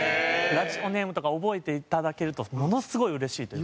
ラジオネームとか覚えていただけるとものすごいうれしいというか。